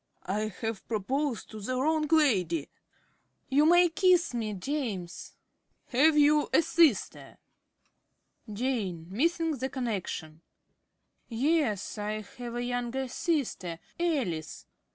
_) I have proposed to the wrong lady. Tchck! ~Jane.~ You may kiss me, James. ~Bootle.~ Have you a sister? ~Jane~ (missing the connection). Yes, I have a younger sister, Alice.